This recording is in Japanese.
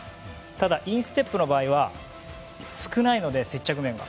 ただインステップの場合は少ないので、接着面が。